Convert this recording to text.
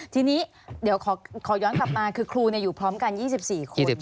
ทีนี้เดี๋ยวขอย้อนกลับมาคือครูอยู่พร้อมกัน๒๔คน